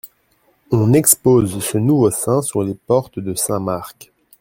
On expose ce nouveau saint sur les portes de Saint-Marc.